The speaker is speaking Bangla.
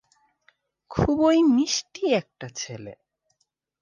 খুবই মিষ্টি একটা ছেলে।